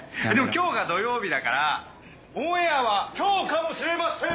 今日が土曜日だからオンエアは今日かもしれません！